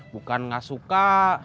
bukan gak suka